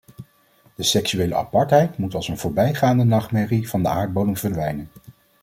De seksuele apartheid moet als een voorbijgaande nachtmerrie van de aardbodem verdwijnen!